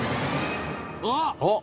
あっ！